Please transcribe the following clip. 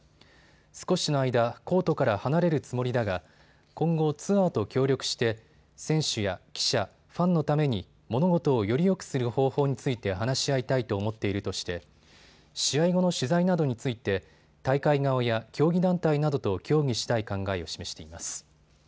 少しの間、コートから離れるつもりだが今後、ツアーと協力して選手や記者、ファンのために、物事をよりよくする方法について話し合いたいと思っているとして試合後の取材などについて大会側や競技団体などと協議したい考えを示しています。